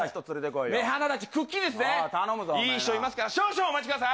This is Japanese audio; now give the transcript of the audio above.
いい人いますから、少々お待ちください。